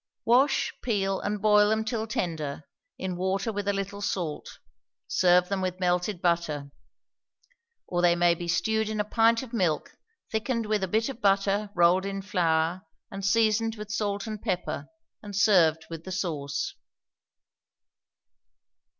Wash, peel, and boil them till tender, in water with a little salt; serve them with melted butter. Or they may be stewed in a pint of milk, thickened with a bit of butter rolled in flour, and seasoned with salt and pepper, and served with the sauce.